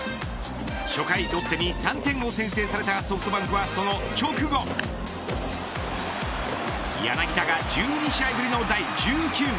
初回ロッテに３点を先制されたソフトバンクはその直後柳田が１２試合ぶりの第１９号。